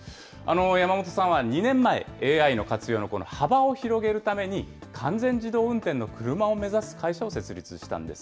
山本さんは２年前、ＡＩの活用の幅を広げるために、完全自動運転の車を目指す会社を設立したんです。